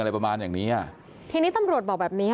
ทีนี้ตำรวจบอกแบบนี้